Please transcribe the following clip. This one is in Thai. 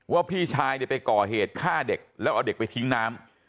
พี่ชายไปก่อเหตุฆ่าเด็กแล้วเอาเด็กไปทิ้งน้ำ